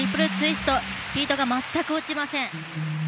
スピードが全く落ちません。